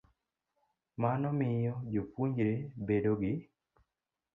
Mano miyo jopuonjre bedo gi .